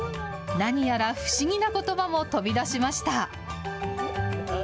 なにやらふしぎなことばも飛び出しました。